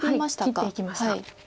切っていきました。